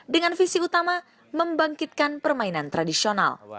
dengan visi utama membangkitkan permainan tradisional